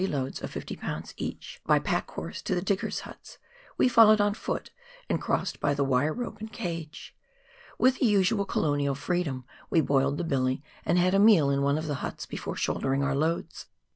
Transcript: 127 to the diggers' huts, we followed on foot, and crossed by the wire rope and cage. With the usual colonial freedom, we boiled the billy, and had a meal in one of the huts before shouldering our loads.